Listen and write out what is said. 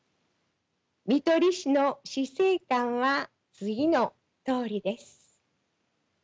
看取り士の死生観は次のとおりです。